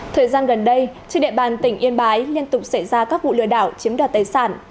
thời gian gần đây trên địa bàn tỉnh yên bái liên tục xảy ra các vụ lừa đảo chiếm đoạt tài sản